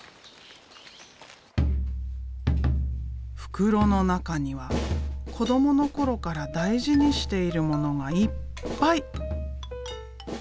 袋の中には子どもの頃から大事にしているものがいっぱい。